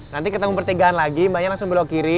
nanti ketemu pertigaan lagi mbaknya langsung belok kiri